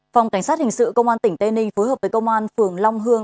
phòng cảnh sát hình sự công an tỉnh tây ninh phối hợp với công an phường long hương